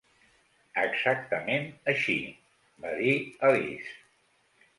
"Exactament així", va dir Alice.